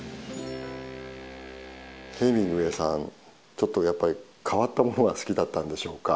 ヘミングウェイさんちょっとやっぱり変わったものが好きだったんでしょうか。